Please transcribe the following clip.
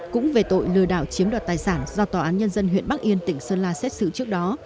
cũng về tội lừa đảo chiếm đoạt tài sản do tòa án nhân dân huyện bắc yên tỉnh sơn la xét xử trước đó